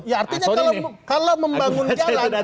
ya artinya kalau membangun jalan